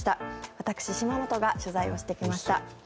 私、島本が取材をしてきました。